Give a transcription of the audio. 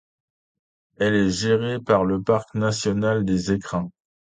Elle est gérée par le parc national des Écrins.